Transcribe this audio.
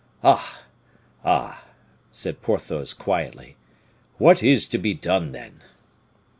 "Ah, ah!" said Porthos, quietly, "what is to be done, then?"